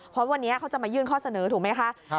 เพราะวันนี้เขาจะมายื่นข้อเสนอถูกไหมคะ